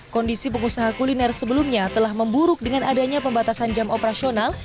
kondisi pengusaha kuliner sebelumnya telah memburuk dengan adanya pembatasan jam operasional